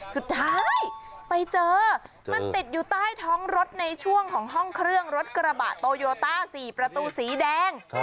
สุดท้ายไปเจอมันติดอยู่ใต้ท้องรถในช่วงของห้องเครื่องรถกระบะโตโยต้า๔ประตูสีแดง